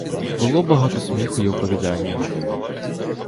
Було багато сміху й оповідання.